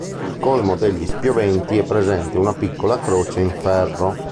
Sul colmo degli spioventi è presente una piccola croce in ferro.